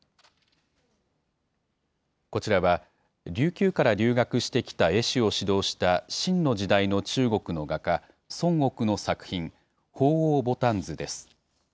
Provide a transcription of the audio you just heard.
こちらは、琉球から留学してきた絵師を指導した清の時代の中国の画家、孫億の作品、鳳凰牡丹図です。